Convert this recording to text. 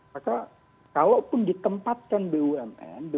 maka kalaupun ditempatkan bumn